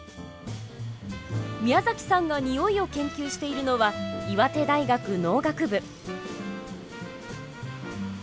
宮崎さんがニオイを研究しているのは岩手大学農学部。